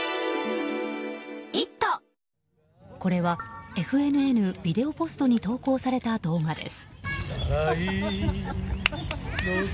これはＦＮＮビデオＰｏｓｔに投稿された動画です。